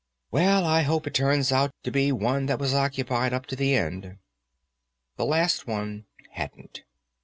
"Well, I hope it turns out to be one that was occupied up to the end." The last one hadn't.